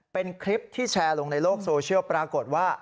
เป็นคลิปที่แชร์ลงในโลกโซเชียลปรากฏว่า